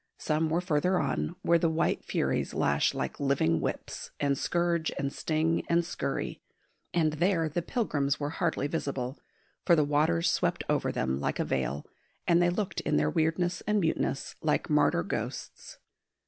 Some were further on, where the white furies lash like living whips, and scourge and sting and scurry; and there the pilgrims were hardly visible, for the waters swept over them like a veil, and they looked in their weirdness and muteness like martyr ghosts.